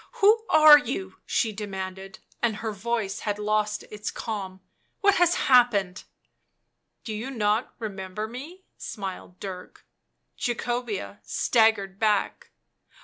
" Who are you?" she demanded, and her voice had lost its calm; " what has happened?" " Do you not remember me?" smiled Dirk. Jacobea staggered back.